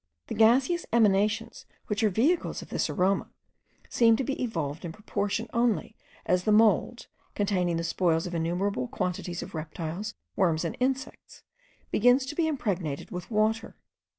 The gaseous emanations, which are the vehicles of this aroma, seem to be evolved in proportion only as the mould, containing the spoils of an innumerable quantity of reptiles, worms, and insects, begins to be impregnated with water.